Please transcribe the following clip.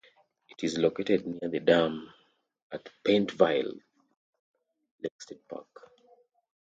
It is located near the dam at Paintsville Lake State Park.